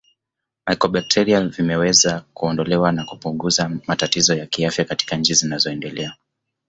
Mycobacterium vimeweza kuondolewa na kupuguza matatizo ya kiafya katika nchi zinazoendelea